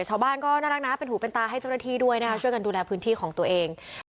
ชาวบ้านก็น่ารักนะเป็นหูเป็นตาให้เจ้าหน้าที่ด้วยนะคะช่วยกันดูแลพื้นที่ของตัวเอง